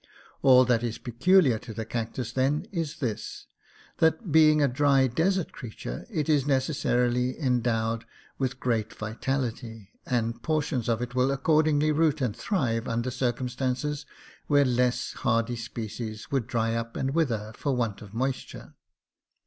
All that is peculiar to the cactus, then, is this : that, being a dry desert creature, it is necessarily endowed with great vitality; and portions of it will accordingly root and thrive under circum stances where any less hardy species would dry up and wither for want of moisture.